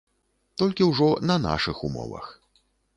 Толькі ўжо на нашых умовах.